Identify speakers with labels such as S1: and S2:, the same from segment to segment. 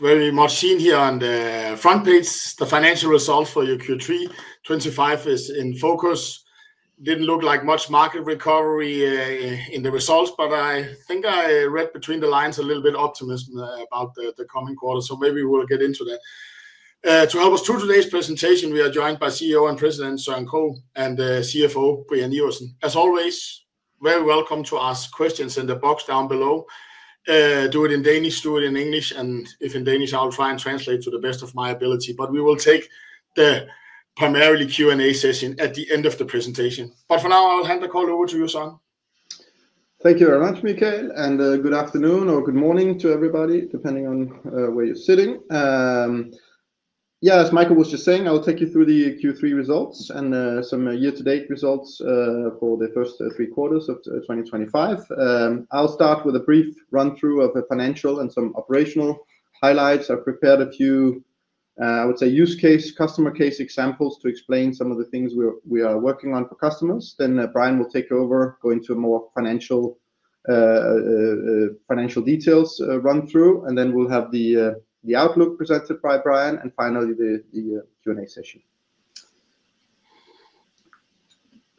S1: You might have seen here on the front page, the financial results for your Q3 2025 is in focus. Did not look like much market recovery in the results, but I think I read between the lines a little bit of optimism about the coming quarter, so maybe we will get into that. To help us through today's presentation, we are joined by CEO and President Søren Krogh and CFO Brian Iversen. As always, very welcome to ask questions in the box down below. Do it in Danish, do it in English, and if in Danish, I will try and translate to the best of my ability, but we will take the primarily Q&A session at the end of the presentation. For now, I will hand the call over to you, Søren.
S2: Thank you very much, Mikael, and good afternoon or good morning to everybody, depending on where you're sitting. Yeah, as Mikael was just saying, I'll take you through the Q3 results and some year-to-date results for the first three quarters of 2025. I'll start with a brief run-through of the financial and some operational highlights. I've prepared a few, I would say, use case, customer case examples to explain some of the things we're, we are working on for customers. Then, Brian will take over, go into more financial details, run-through, and then we'll have the outlook presented by Brian and finally the Q&A session.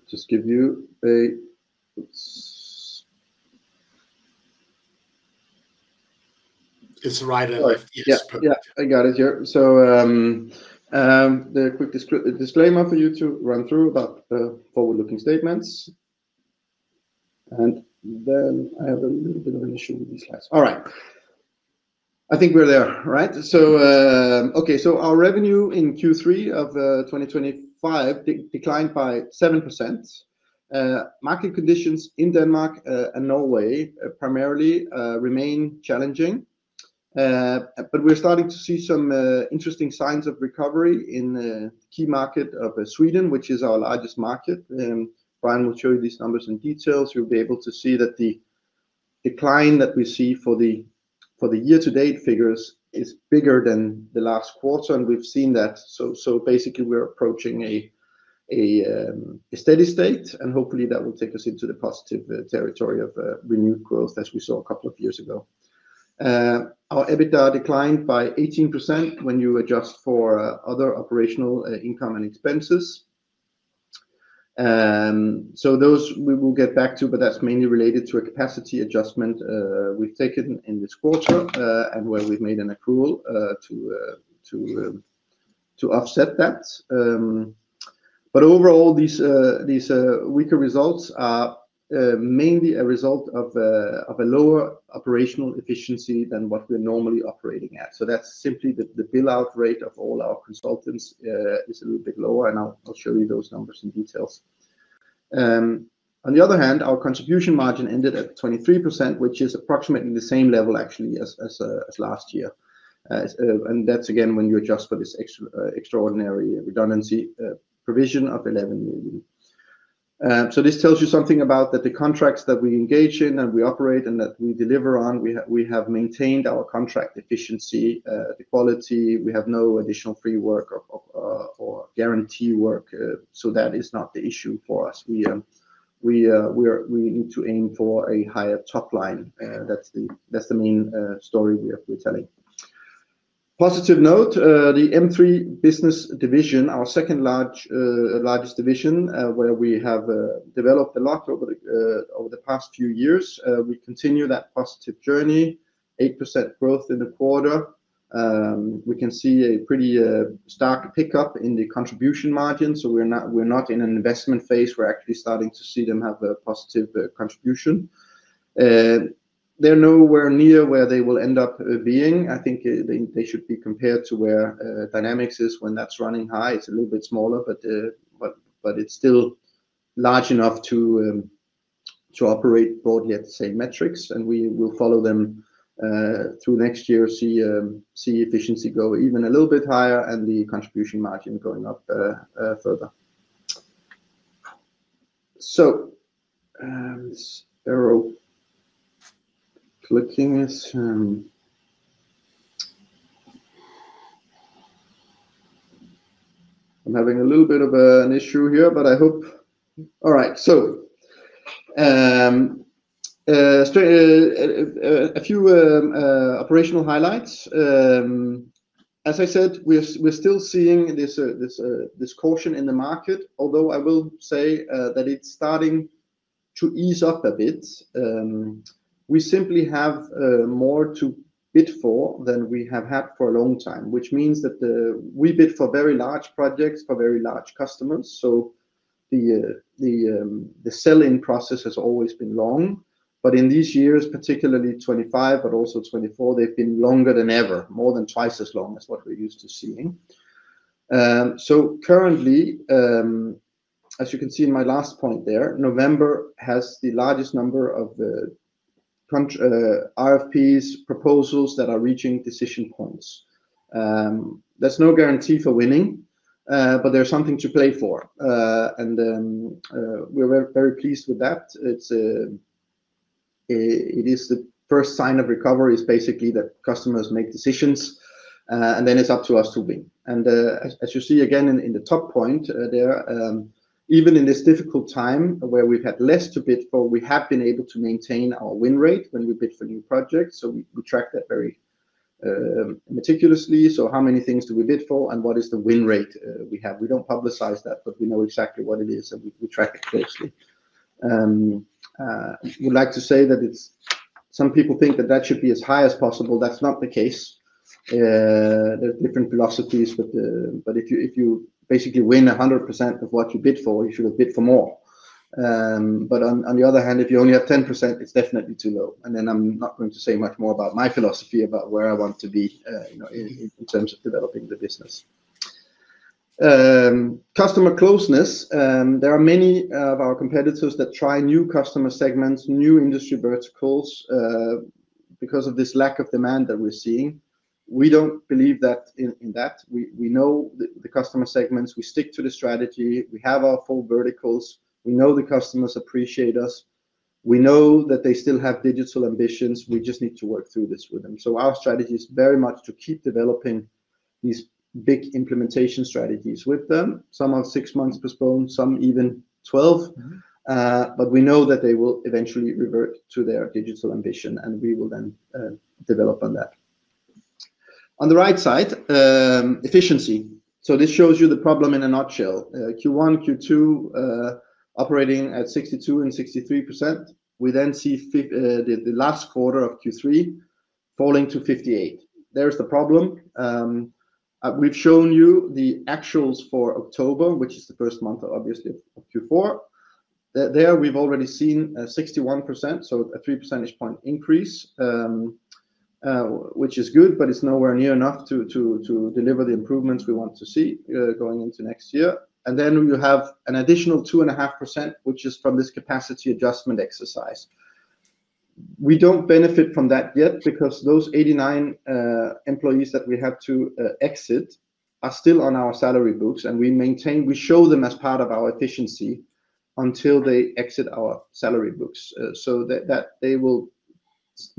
S2: Just give you a oops.
S1: It's right at the.
S2: Yes. Perfect. Yeah, I got it here. So, the quick disclaimer for you to run through about the forward-looking statements. And then I have a little bit of an issue with these slides. All right. I think we're there, right? Okay, our revenue in Q3 of 2025 declined by 7%. Market conditions in Denmark and Norway, primarily, remain challenging, but we're starting to see some interesting signs of recovery in the key market of Sweden, which is our largest market. Brian will show you these numbers in detail. You'll be able to see that the decline that we see for the year-to-date figures is bigger than the last quarter, and we've seen that. Basically, we're approaching a steady state, and hopefully, that will take us into the positive territory of renewed growth as we saw a couple of years ago. Our EBITDA declined by 18% when you adjust for other operational income and expenses. Those we will get back to, but that's mainly related to a capacity adjustment we've taken in this quarter, and where we've made an accrual to offset that. Overall, these weaker results are mainly a result of a lower operational efficiency than what we're normally operating at. That's simply the bill-out rate of all our consultants is a little bit lower, and I'll show you those numbers in detail. On the other hand, our contribution margin ended at 23%, which is approximately the same level, actually, as last year. That's again when you adjust for this extra, extraordinary redundancy provision of 11 million. This tells you something about the contracts that we engage in and we operate and that we deliver on. We have maintained our contract efficiency, the quality. We have no additional free work or guarantee work, so that is not the issue for us. We need to aim for a higher top line. That is the main story we are telling. On a positive note, the M3 business division, our second largest division, where we have developed a lot over the past few years, we continue that positive journey, 8% growth in the quarter. We can see a pretty stark pickup in the contribution margin, so we are not in an investment phase. We are actually starting to see them have a positive contribution. They are nowhere near where they will end up being. I think they should be compared to where Dynamics is when that's running high. It's a little bit smaller, but it's still large enough to operate broadly at the same metrics, and we will follow them through next year, see efficiency go even a little bit higher and the contribution margin going up further. This arrow clicking is, I'm having a little bit of an issue here, but I hope all right. A few operational highlights. As I said, we're still seeing this caution in the market, although I will say that it's starting to ease up a bit. We simply have more to bid for than we have had for a long time, which means that we bid for very large projects for very large customers. The selling process has always been long, but in these years, particularly 2025, but also 2024, they've been longer than ever, more than twice as long as what we're used to seeing. Currently, as you can see in my last point there, November has the largest number of RFPs, proposals that are reaching decision points. There's no guarantee for winning, but there's something to play for. We're very, very pleased with that. It is the first sign of recovery, basically that customers make decisions, and then it's up to us to win. As you see again in the top point there, even in this difficult time where we've had less to bid for, we have been able to maintain our win rate when we bid for new projects. We track that very meticulously. How many things do we bid for and what is the win rate we have? We do not publicize that, but we know exactly what it is, and we track it closely. I would like to say that some people think that should be as high as possible. That is not the case. There are different philosophies, but if you basically win 100% of what you bid for, you should have bid for more. On the other hand, if you only have 10%, it is definitely too low. I am not going to say much more about my philosophy about where I want to be, you know, in terms of developing the business. Customer closeness. There are many of our competitors that try new customer segments, new industry verticals, because of this lack of demand that we are seeing. We do not believe that. We know the customer segments. We stick to the strategy. We have our four verticals. We know the customers appreciate us. We know that they still have digital ambitions. We just need to work through this with them. Our strategy is very much to keep developing these big implementation strategies with them. Some are six months postponed, some even 12. We know that they will eventually revert to their digital ambition, and we will then develop on that. On the right side, efficiency. This shows you the problem in a nutshell. Q1, Q2, operating at 62% and 63%. We then see the last quarter of Q3 falling to 58%. There is the problem. We have shown you the actuals for October, which is the first month, obviously, of Q4. There we've already seen 61%, so a 3 percentage point increase, which is good, but it's nowhere near enough to deliver the improvements we want to see going into next year. Then we have an additional 2.5%, which is from this capacity adjustment exercise. We don't benefit from that yet because those 89 employees that we have to exit are still on our salary books, and we maintain, we show them as part of our efficiency until they exit our salary books. That will,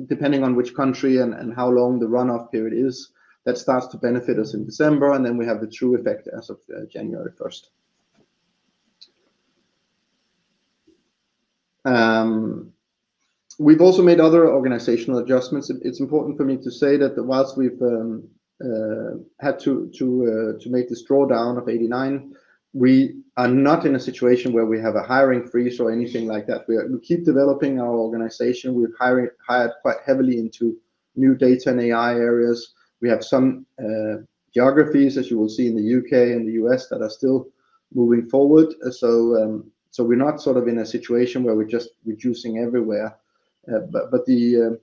S2: depending on which country and how long the run-off period is, start to benefit us in December, and then we have the true effect as of January 1st. We've also made other organizational adjustments. It's important for me to say that whilst we've had to make this drawdown of 89, we are not in a situation where we have a hiring freeze or anything like that. We keep developing our organization. We've hired quite heavily into new data and AI areas. We have some geographies, as you will see in the U.K. and the U.S., that are still moving forward. We're not sort of in a situation where we're just reducing everywhere, but the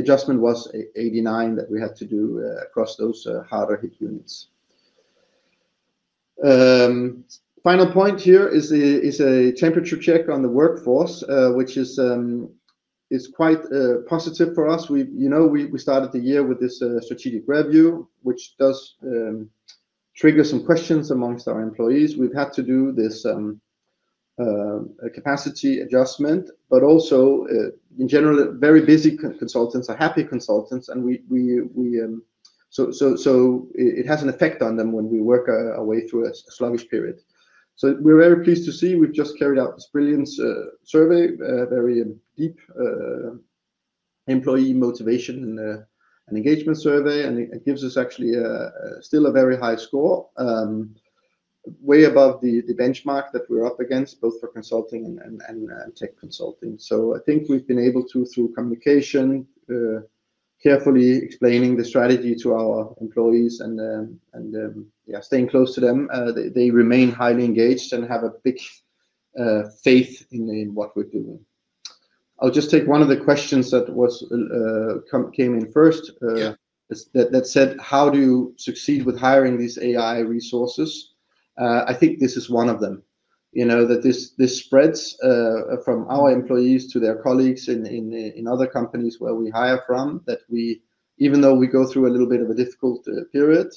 S2: adjustment was 89 that we had to do across those harder hit units. Final point here is a temperature check on the workforce, which is quite positive for us. We, you know, we started the year with this strategic review, which does trigger some questions amongst our employees. We've had to do this capacity adjustment, but also, in general, very busy consultants are happy consultants, and we, we, so it has an effect on them when we work our way through a sluggish period. We're very pleased to see we've just carried out this brilliant survey, very deep, employee motivation and engagement survey, and it gives us actually still a very high score, way above the benchmark that we're up against, both for consulting and tech consulting. I think we've been able to, through communication, carefully explaining the strategy to our employees and, yeah, staying close to them. They remain highly engaged and have a big faith in what we're doing. I'll just take one of the questions that came in first.
S1: Yeah.
S2: That said, how do you succeed with hiring these AI resources? I think this is one of them, you know, that this spreads from our employees to their colleagues in other companies where we hire from, that we, even though we go through a little bit of a difficult period,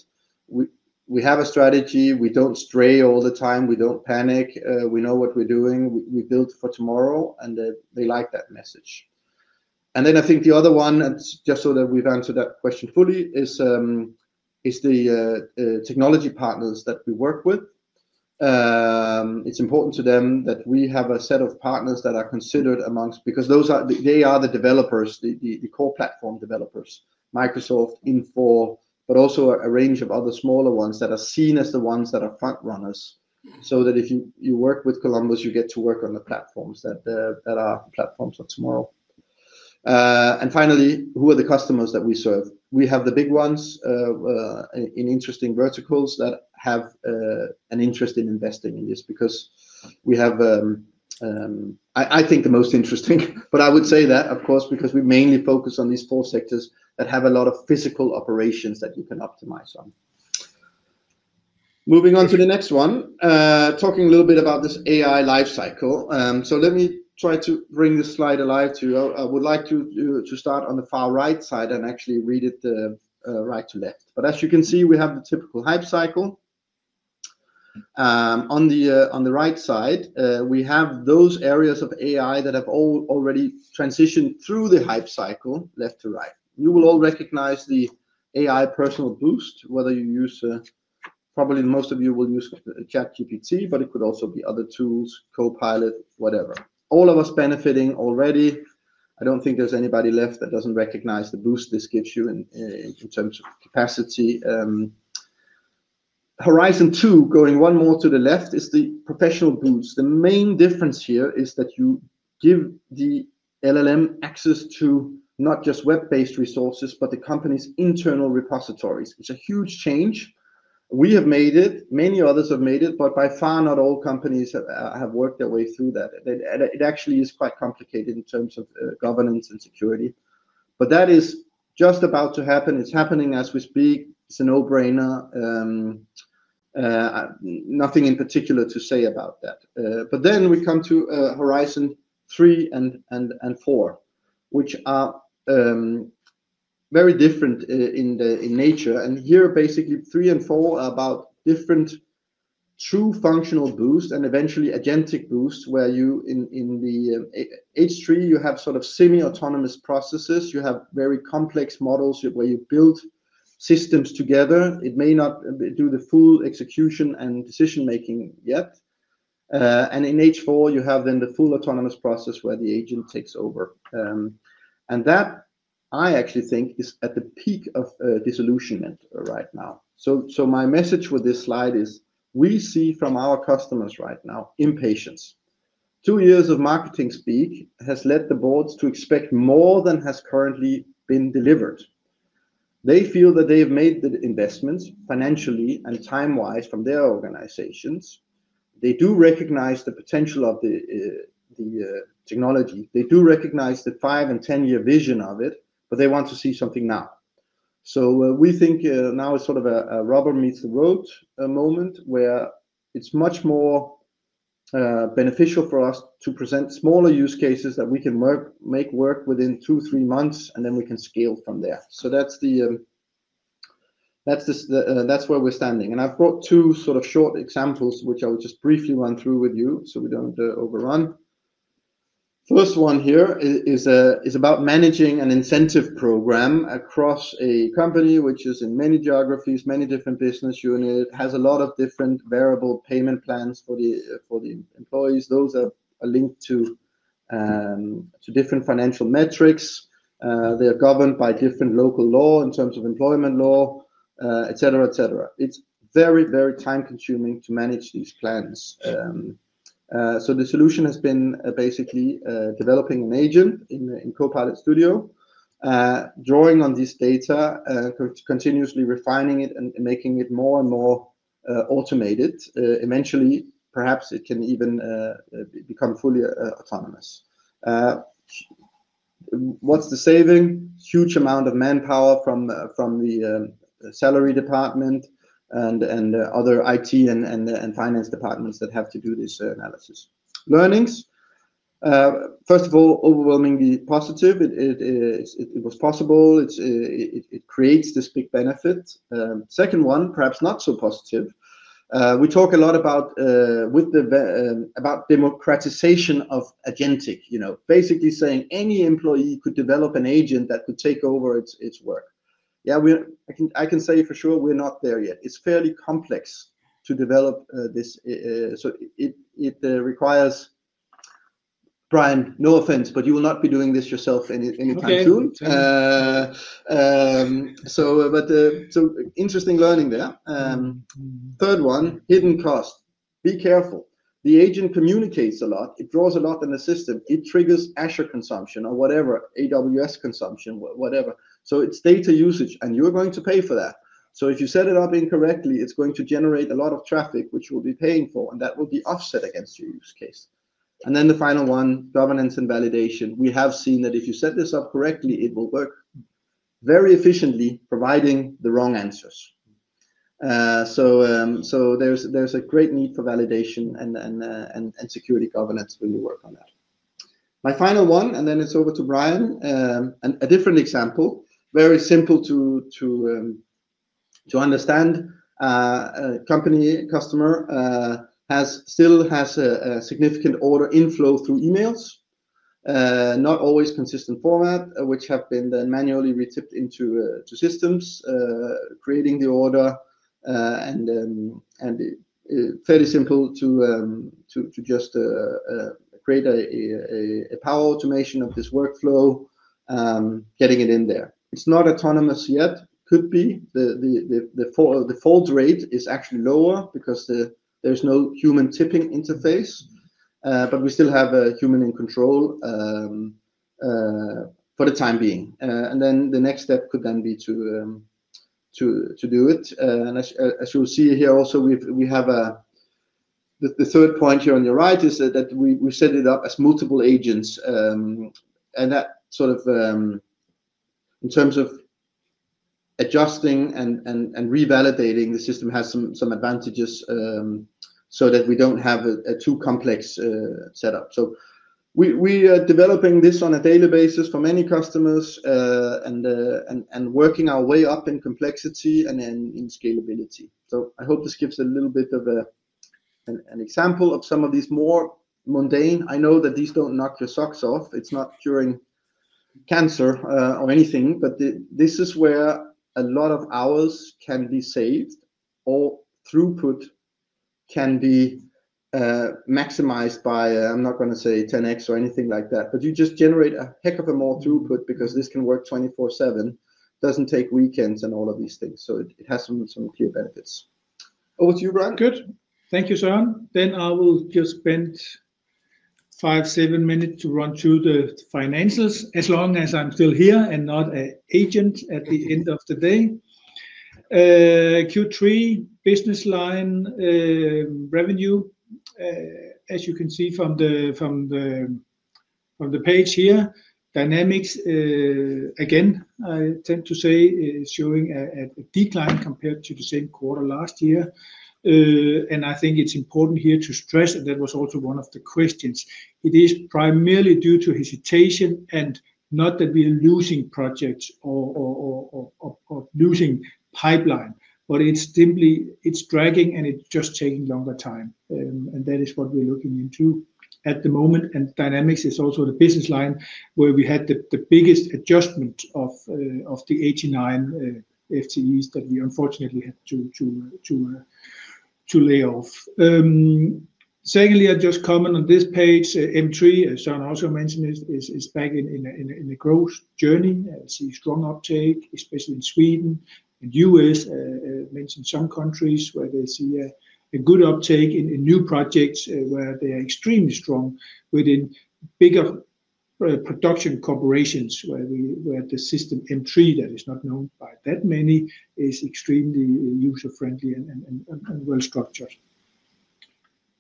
S2: we have a strategy. We do not stray all the time. We do not panic. We know what we are doing. We build for tomorrow, and they like that message. I think the other one, and just so that we have answered that question fully, is the technology partners that we work with. It's important to them that we have a set of partners that are considered amongst, because those are, they are the developers, the core platform developers, Microsoft, Infor, but also a range of other smaller ones that are seen as the ones that are front-runners. If you work with Columbus, you get to work on the platforms that are platforms of tomorrow. Finally, who are the customers that we serve? We have the big ones, in interesting verticals that have an interest in investing in this because we have, I think, the most interesting, but I would say that, of course, because we mainly focus on these four sectors that have a lot of physical operations that you can optimize on. Moving on to the next one, talking a little bit about this AI lifecycle. Let me try to bring this slide alive to you. I would like to start on the far right side and actually read it right to left. As you can see, we have the typical hype cycle. On the right side, we have those areas of AI that have already transitioned through the hype cycle left to right. You will all recognize the AI personal boost, whether you use, probably most of you will use ChatGPT, but it could also be other tools, Copilot, whatever. All of us benefiting already. I do not think there is anybody left that does not recognize the boost this gives you in terms of capacity. Horizon 2, going one more to the left, is the professional boost. The main difference here is that you give the LLM access to not just web-based resources, but the company's internal repositories, which is a huge change. We have made it. Many others have made it, but by far not all companies have worked their way through that. It actually is quite complicated in terms of governance and security. That is just about to happen. It's happening as we speak. It's a no-brainer. Nothing in particular to say about that. Then we come to Horizon 3 and 4, which are very different in nature. Here, basically, 3 and 4 are about different true functional boost and eventually agentic boost, where you, in the H3, you have sort of semi-autonomous processes. You have very complex models where you build systems together. It may not do the full execution and decision-making yet. In H4, you have then the full autonomous process where the agent takes over. I actually think that is at the peak of disillusionment right now. My message with this slide is we see from our customers right now impatience. Two years of marketing speak has led the boards to expect more than has currently been delivered. They feel that they have made the investments financially and time-wise from their organizations. They do recognize the potential of the technology. They do recognize the five and 10-year vision of it, but they want to see something now. We think now it is sort of a rubber meets the road moment where it is much more beneficial for us to present smaller use cases that we can make work within two, three months, and then we can scale from there. That's where we're standing. I've brought two sort of short examples, which I will just briefly run through with you so we don't overrun. First one here is about managing an incentive program across a company, which is in many geographies, many different business units, has a lot of different variable payment plans for the employees. Those are linked to different financial metrics. They are governed by different local law in terms of employment law, etc., etc. It's very, very time-consuming to manage these plans. The solution has been basically developing an agent in Copilot Studio, drawing on this data, continuously refining it and making it more and more automated. Eventually, perhaps it can even become fully autonomous. What's the saving? Huge amount of manpower from the salary department and other IT and finance departments that have to do this analysis. Learnings. First of all, overwhelmingly positive. It was possible. It creates this big benefit. Second one, perhaps not so positive. We talk a lot about, with the, about democratization of agentic, you know, basically saying any employee could develop an agent that could take over its work. Yeah, I can say for sure we're not there yet. It's fairly complex to develop this, so it requires, Brian, no offense, but you will not be doing this yourself anytime soon.
S3: Okay.
S2: So, interesting learning there. Third one, hidden cost. Be careful. The agent communicates a lot. It draws a lot in the system. It triggers Azure consumption or whatever, AWS consumption, whatever. So it's data usage, and you're going to pay for that. If you set it up incorrectly, it's going to generate a lot of traffic, which we'll be paying for, and that will be offset against your use case. The final one, governance and validation. We have seen that if you set this up correctly, it will work very efficiently, providing the wrong answers. So, there's a great need for validation and security governance when you work on that. My final one, and then it's over to Brian, and a different example, very simple to understand. A company customer still has a significant order inflow through emails, not always consistent format, which have been then manually retyped into systems, creating the order, and fairly simple to just create a Power Automate of this workflow, getting it in there. It's not autonomous yet. Could be. The fault rate is actually lower because there's no human typing interface, but we still have a human in control for the time being. The next step could then be to do it. As you'll see here also, we have a, the third point here on your right is that we set it up as multiple agents. In terms of adjusting and revalidating, the system has some advantages, so that we do not have a too complex setup. We are developing this on a daily basis for many customers and working our way up in complexity and in scalability. I hope this gives a little bit of an example of some of these more mundane. I know that these do not knock your socks off. It is not curing cancer or anything, but this is where a lot of hours can be saved or throughput can be maximized by, I am not going to say 10x or anything like that, but you just generate a heck of a more throughput because this can work 24/7, does not take weekends and all of these things. It has some clear benefits. Over to you, Brian.
S3: Good. Thank you, Søren. I will just spend five, seven minutes to run through the financials as long as I'm still here and not an agent at the end of the day. Q3 business line revenue, as you can see from the page here, Dynamics, again, I tend to say, showing a decline compared to the same quarter last year. I think it's important here to stress, and that was also one of the questions. It is primarily due to hesitation and not that we are losing projects or losing pipeline, but it's simply, it's dragging and it's just taking longer time. That is what we're looking into at the moment. Dynamics is also the business line where we had the biggest adjustment of the 89 FTEs that we unfortunately had to lay off. Secondly, I just comment on this page, M3, as Søren also mentioned, is back in a growth journey. I see strong uptake, especially in Sweden and U.S., mentioned some countries where they see a good uptake in new projects where they are extremely strong within bigger production corporations where the system M3, that is not known by that many, is extremely user-friendly and well-structured.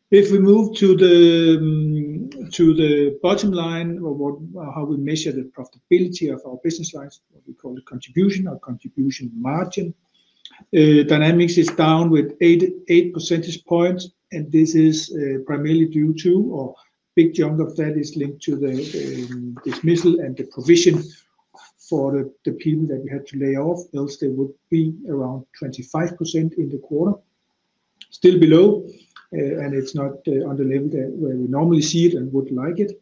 S3: If we move to the, to the bottom line or what, how we measure the profitability of our business lines, what we call the contribution or contribution margin, Dynamics is down with 8 percentage points, and this is primarily due to, or a big chunk of that is linked to the, the dismissal and the provision for the, the people that we had to lay off. Else they would be around 25% in the quarter, still below, and it's not on the level that where we normally see it and would like it.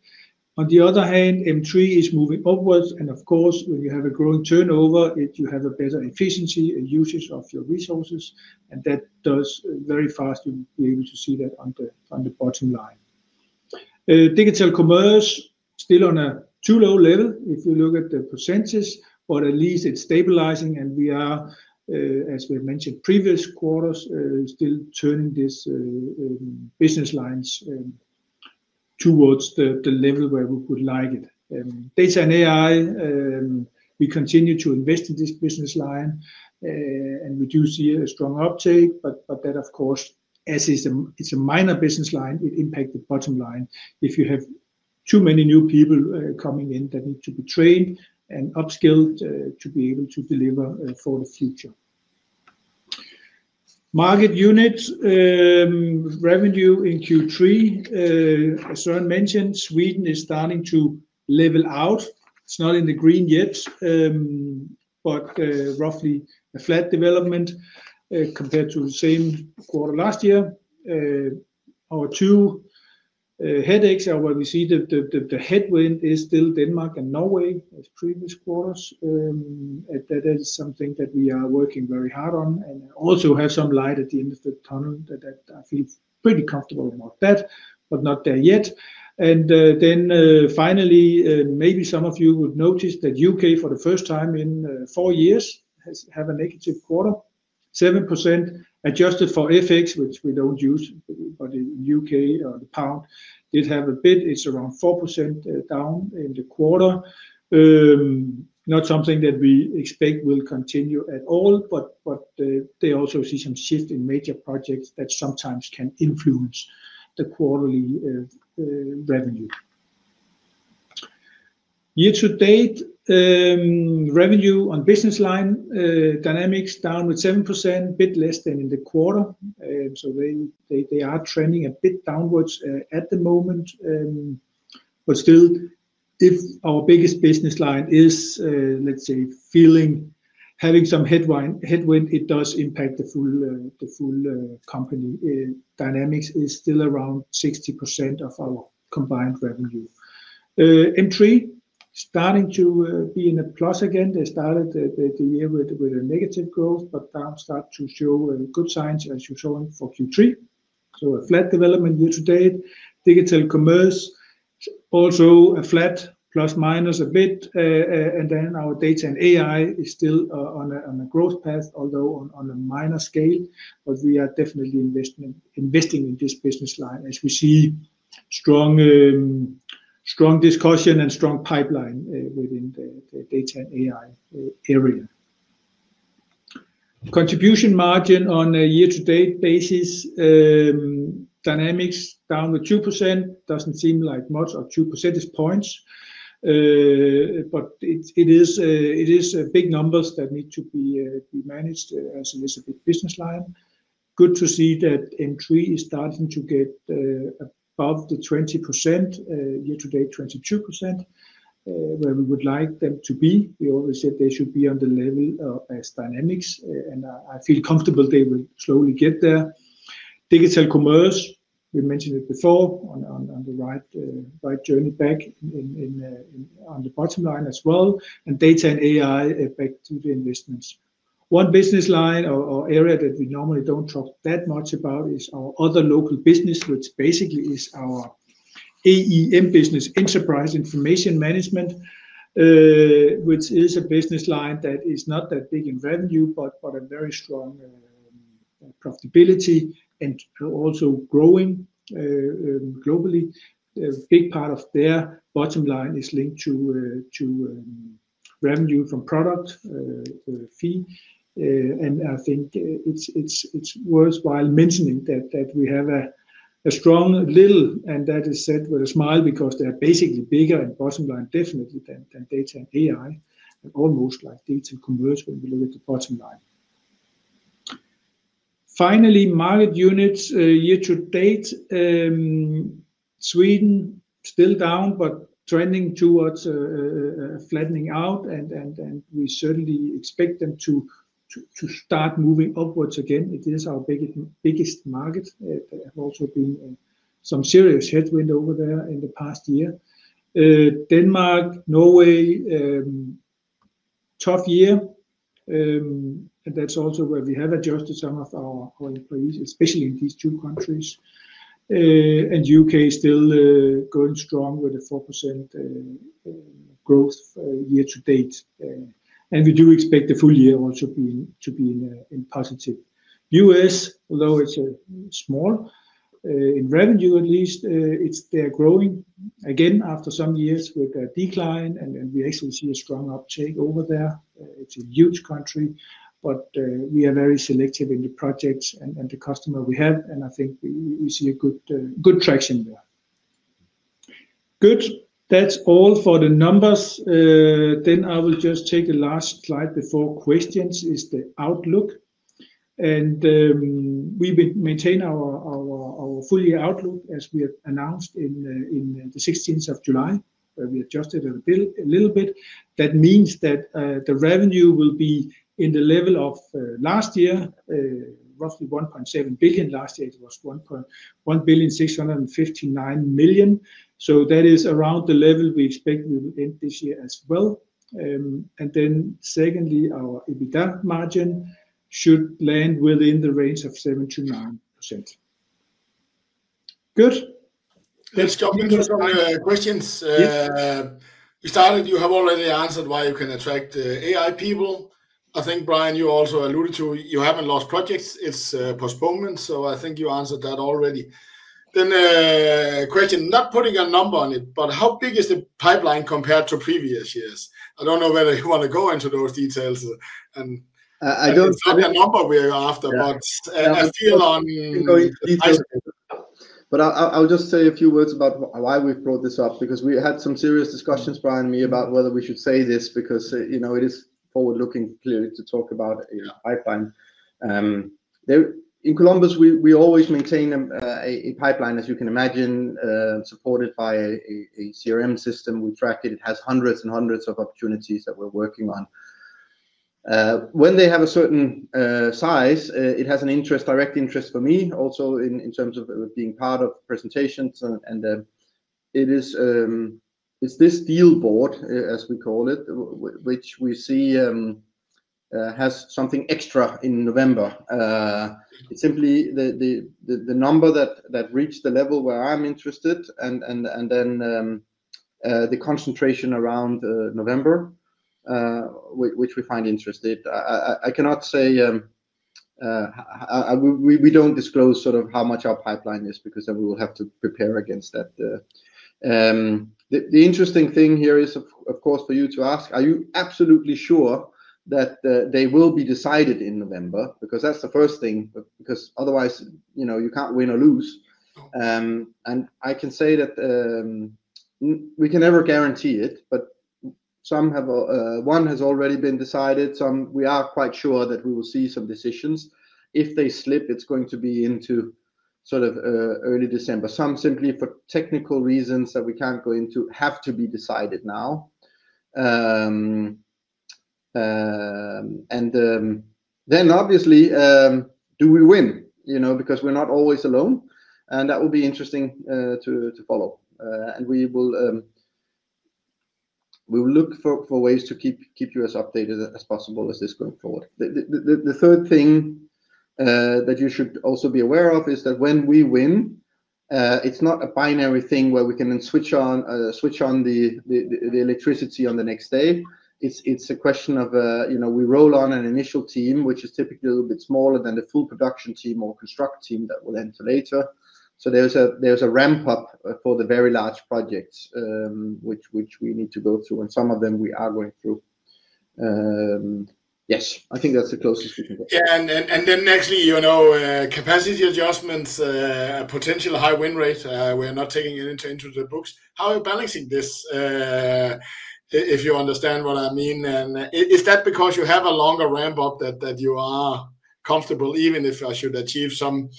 S3: On the other hand, M3 is moving upwards, and of course, when you have a growing turnover, you have a better efficiency and usage of your resources, and that does very fast. You'll be able to see that on the, on the bottom line. Digital commerce still on a too low level. If you look at the percentages, but at least it's stabilizing, and we are, as we mentioned previous quarters, still turning this business line towards the level where we would like it. Data and AI, we continue to invest in this business line, and we do see a strong uptake, but that, of course, as is, it's a minor business line, it impacts the bottom line. If you have too many new people coming in that need to be trained and upskilled to be able to deliver for the future. Market units, revenue in Q3, as Søren mentioned, Sweden is starting to level out. It's not in the green yet, but roughly a flat development compared to the same quarter last year. Our two headaches are where we see the headwind is still Denmark and Norway as previous quarters. That is something that we are working very hard on and also have some light at the end of the tunnel that I feel pretty comfortable about, but not there yet. Finally, maybe some of you would notice that the U.K. for the first time in four years has had a negative quarter, 7% adjusted for FX, which we do not use, but in the U.K. the pound did have a bit. It is around 4% down in the quarter. Not something that we expect will continue at all, but they also see some shift in major projects that sometimes can influence the quarterly revenue. Year-to-date, revenue on business line Dynamics down 7%, a bit less than in the quarter. They are trending a bit downwards at the moment. Still, if our biggest business line is, let's say, feeling, having some headwind, it does impact the full company. Dynamics is still around 60% of our combined revenue. M3 starting to be in a plus again. They started the year with a negative growth, but now start to show good signs, as you're showing for Q3. A flat development year-to-date. Digital commerce also a flat, ± a bit. Then our data and AI is still on a growth path, although on a minor scale, but we are definitely investing in this business line as we see strong discussion and strong pipeline within the data and AI area. Contribution margin on a year-to-date basis, Dynamics down with 2% doesn't seem like much or 2 percentage points. It is big numbers that need to be managed as a business line. Good to see that M3 is starting to get above the 20%, year-to-date, 22%, where we would like them to be. We always said they should be on the level of as Dynamics, and I feel comfortable they will slowly get there. Digital commerce, we mentioned it before, on the right journey back in on the bottom line as well. Data and AI affect the investments. One business line or area that we normally do not talk that much about is our other local business, which basically is our AEM, business enterprise information management, which is a business line that is not that big in revenue, but a very strong profitability and also growing globally. Big part of their bottom line is linked to revenue from product fee. I think it's worthwhile mentioning that we have a strong little, and that is said with a smile because they're basically bigger in bottom line definitely than data and AI, and almost like digital commerce when we look at the bottom line. Finally, market units year-to-date, Sweden still down, but trending towards flattening out, and we certainly expect them to start moving upwards again. It is our biggest market. They have also been in some serious headwind over there in the past year. Denmark, Norway, tough year, and that's also where we have adjusted some of our employees, especially in these two countries. U.K. still going strong with a 4% growth year-to-date. We do expect the full year also to be in positive. US, although it's small in revenue at least, they're growing again after some years with a decline, and we actually see a strong uptake over there. It's a huge country, but we are very selective in the projects and the customer we have, and I think we see good traction there. That's all for the numbers. I will just take a last slide before questions, which is the outlook. We maintain our full year outlook as we announced on the 16th of July, where we adjusted a little bit. That means that the revenue will be at the level of last year, roughly 1.7 billion. Last year it was 1,659 million. That is around the level we expect we will end this year as well. And then secondly, our EBITDA margin should land within the range of 7%-9%. Good.
S1: Let's jump into some questions. We started, you have already answered why you can attract the AI people. I think Brian, you also alluded to you haven't lost projects. It's postponement. I think you answered that already. Then, question, not putting a number on it, but how big is the pipeline compared to previous years? I don't know whether you want to go into those details.
S3: I don't.
S1: It's not a number we're after, but a feel on.
S2: I'll just say a few words about why we've brought this up because we had some serious discussions, Brian and me, about whether we should say this because, you know, it is forward looking clearly to talk about a pipeline. There in Columbus, we always maintain a pipeline, as you can imagine, supported by a CRM system. We track it. It has hundreds and hundreds of opportunities that we're working on. When they have a certain size, it has an interest, direct interest for me also in terms of being part of presentations. It is this deal board, as we call it, which we see has something extra in November. It's simply the number that reached the level where I'm interested, and then the concentration around November, which we find interesting. I cannot say, we don't disclose sort of how much our pipeline is because then we will have to prepare against that. The interesting thing here is, of course, for you to ask, are you absolutely sure that they will be decided in November? Because that's the first thing, because otherwise, you know, you can't win or lose. I can say that we can never guarantee it, but one has already been decided. Some we are quite sure that we will see some decisions. If they slip, it's going to be into early December. Some simply for technical reasons that we can't go into have to be decided now. And, then obviously, do we win, you know, because we're not always alone. That will be interesting to follow. We will look for ways to keep you as updated as possible as this is going forward. The third thing that you should also be aware of is that when we win, it's not a binary thing where we can then switch on the electricity the next day. It's a question of, you know, we roll on an initial team, which is typically a little bit smaller than the full production team or construct team that will enter later. So there's a ramp up for the very large projects, which we need to go through. Some of them we are going through. Yes, I think that's the closest we can go.
S1: Yeah. And then nextly, you know, capacity adjustments, potential high win rate. We are not taking it into the books. How are you balancing this, if you understand what I mean? And is that because you have a longer ramp up, that you are comfortable, even if I should achieve some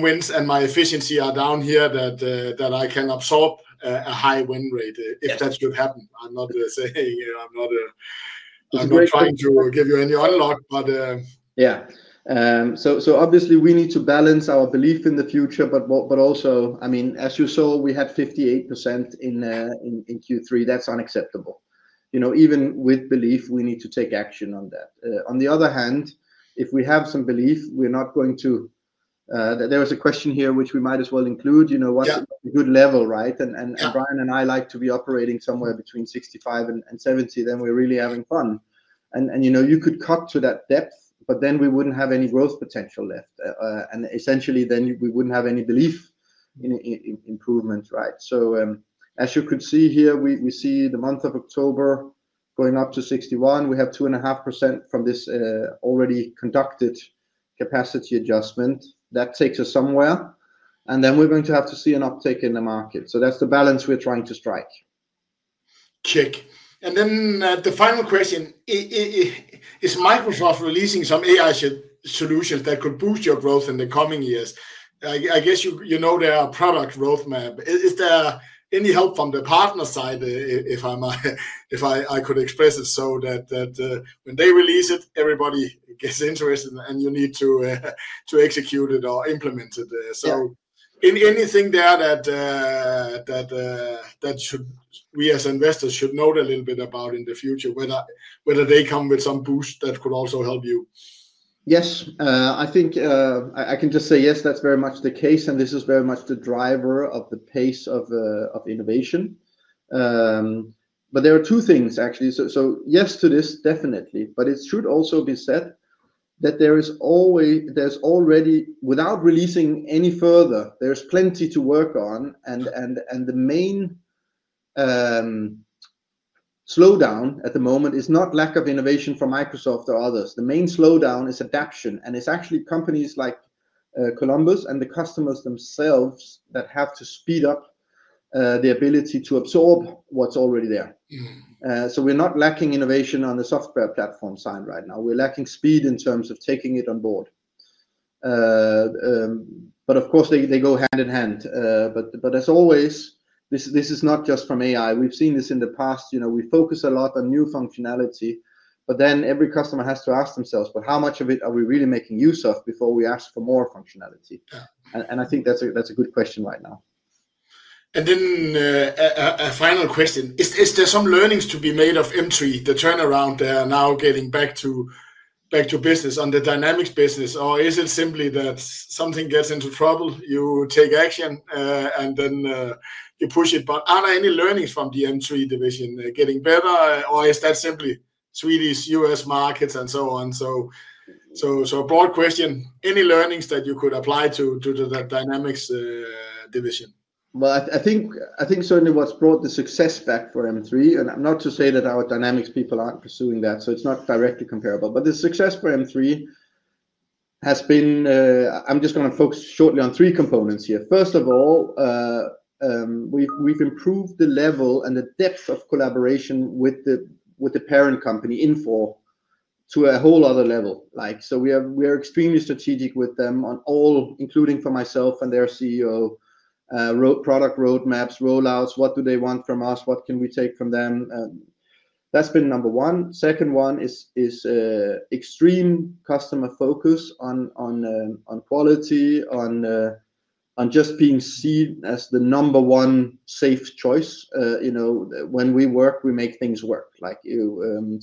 S1: wins and my efficiency are down here, that I can absorb a high win rate if that should happen? I'm not saying, you know, I'm not trying to give you any unlock, but,
S2: Yeah, so obviously we need to balance our belief in the future, but also, I mean, as you saw, we had 58% in Q3. That's unacceptable. You know, even with belief, we need to take action on that. On the other hand, if we have some belief, we're not going to, there was a question here, which we might as well include, you know, what's a good level, right? And Brian and I like to be operating somewhere between 65% and 70%. Then we're really having fun. You know, you could cut to that depth, but then we wouldn't have any growth potential left. Essentially then we wouldn't have any belief in improvement, right? As you could see here, we see the month of October going up to 61%. We have 2.5% from this, already conducted capacity adjustment. That takes us somewhere. Then we're going to have to see an uptake in the market. That's the balance we're trying to strike.
S1: Check. And then the final question, is Microsoft releasing some AI solutions that could boost your growth in the coming years? I guess you know their product growth map. Is there any help from the partner side, if I may, if I could express it so that when they release it, everybody gets interested and you need to execute it or implement it. Anything there that we as investors should note a little bit about in the future, whether they come with some boost that could also help you?
S2: Yes. I think I can just say yes, that's very much the case. This is very much the driver of the pace of innovation. There are two things actually. Yes to this definitely, but it should also be said that there is already, without releasing any further, plenty to work on. The main slowdown at the moment is not lack of innovation from Microsoft or others. The main slowdown is adoption. It is actually companies like Columbus and the customers themselves that have to speed up the ability to absorb what's already there. We are not lacking innovation on the software platform side right now. We are lacking speed in terms of taking it on board. Of course, they go hand in hand. As always, this is not just from AI. We've seen this in the past. You know, we focus a lot on new functionality, but then every customer has to ask themselves, how much of it are we really making use of before we ask for more functionality? I think that's a good question right now.
S1: A final question, is there some learnings to be made of M3, the turnaround there now getting back to business on the Dynamics business, or is it simply that something gets into trouble, you take action, and then you push it? Are there any learnings from the M3 division, getting better, or is that simply Swedish, U.S. markets and so on? A broad question, any learnings that you could apply to the Dynamics division?
S2: I think certainly what's brought the success back for M3, and I'm not to say that our Dynamics people aren't pursuing that, so it's not directly comparable, but the success for M3 has been, I'm just going to focus shortly on three components here. First of all, we've improved the level and the depth of collaboration with the parent company Infor to a whole other level. Like, we are extremely strategic with them on all, including for myself and their CEO, product roadmaps, rollouts, what do they want from us, what can we take from them? That's been number one. Second one is extreme customer focus on quality, on just being seen as the number one safe choice. You know, when we work, we make things work. Like you,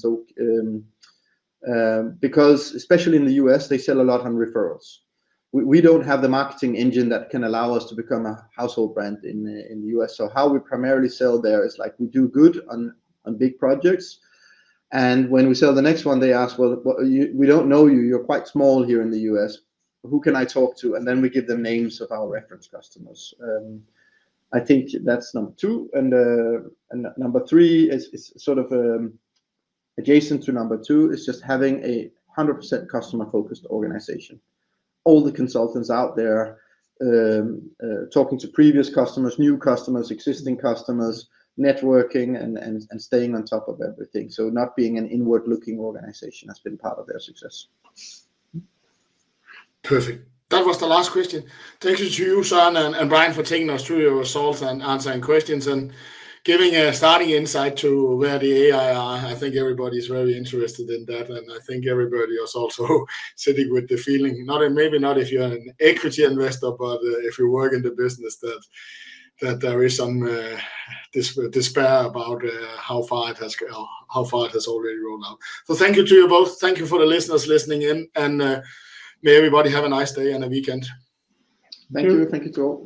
S2: because especially in the U.S., they sell a lot on referrals. We don't have the marketing engine that can allow us to become a household brand in the U.S. How we primarily sell there is like we do good on big projects. When we sell the next one, they ask, you, we don't know you, you're quite small here in the U.S., who can I talk to? We give them names of our reference customers. I think that's number two. Number three is, sort of adjacent to number two, just having a 100% customer focused organization. All the consultants out there, talking to previous customers, new customers, existing customers, networking and staying on top of everything. Not being an inward looking organization has been part of their success.
S1: Perfect. That was the last question. Thank you to you, Sean and Brian for taking us through your results and answering questions and giving a starting insight to where the AI are. I think everybody's very interested in that. I think everybody is also sitting with the feeling, not, and maybe not if you're an equity investor, but if you work in the business, that there is some despair about how far it has, how far it has already rolled out. Thank you to you both. Thank you for the listeners listening in. May everybody have a nice day and a weekend.
S3: Thank you.
S2: Thank you too.